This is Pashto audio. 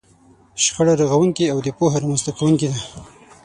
شخړه رغونکې او د پوهې رامنځته کوونکې ده.